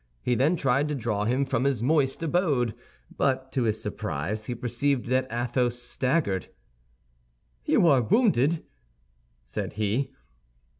He then tried to draw him from his moist abode, but to his surprise he perceived that Athos staggered. "You are wounded," said he.